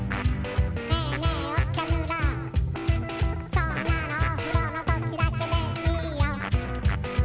「そんなのお風呂の時だけでいいよ」